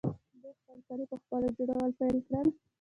دوی خپل کالي پخپله جوړول پیل کړل.